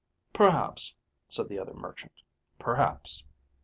"Perhaps," said the other merchant. "Perhaps."